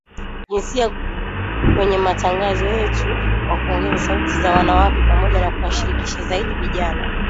jinsia kwenye matangazo yetu kwa kuongeza sauti za wanawake, pamoja na kuwashirikisha zaidi vijana